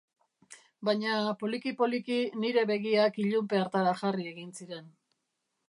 Baina, poliki-poliki, nire begiak ilunpe hartara jarri egin ziren.